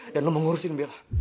dan lo mengurusin bella